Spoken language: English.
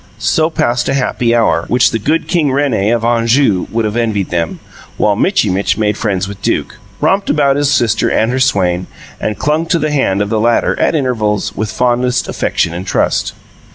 So passed a happy hour, which the Good King Rene of Anjou would have envied them, while Mitchy Mitch made friends with Duke, romped about his sister and her swain, and clung to the hand of the latter, at intervals, with fondest affection and trust.